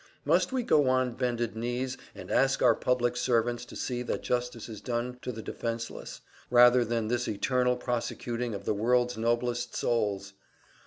Must we go on bended knees and ask our public servants to see that justice is done to the defenceless, rather than this eternal prosecuting of the world's noblest souls!